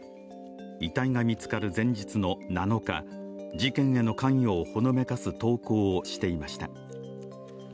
遺体が見つかる前日の７日、事件への関与をほのめかす投稿をしていました。